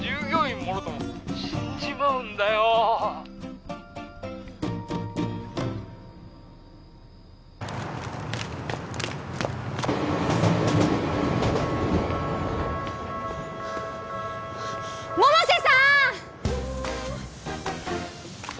もろとも☎死んじまうんだよ百瀬さーん！